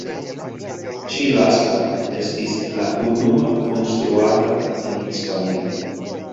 Ĉi lasta estis la unua konstruata en Hispanio.